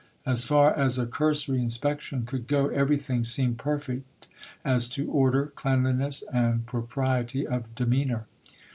As far as a cursory inspection could go, everything seemed perfect as to order, cleanliness, and propriety of demeanour.